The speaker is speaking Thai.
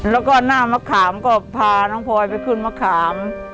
แล้วก็หน้ามะขามก็พาน้องพลอยไปขึ้นมะขาม